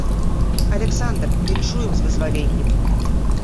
Аляксандр, віншуем з вызваленнем.